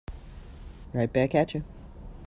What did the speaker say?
Right back at you.